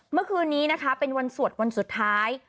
เมื่อคืนนี้นะคะเป็นวันสวดวันสุดท้าย